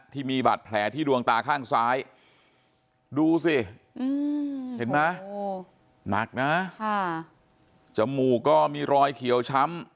ที่มีบาดแผลที่ดวงตาข้างซ้ายดูสิเห็นไหมหนักนะจมูกก็มีรอยเขียวช้ำ